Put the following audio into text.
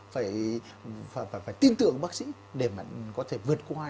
phải tin tưởng bác sĩ để mà có thể vượt qua